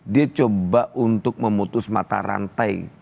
dia coba untuk memutus mata rantai